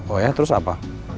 oh ya terus apa